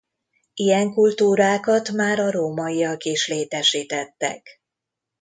Ilyen kultúrákat már a rómaiak is létesítettek.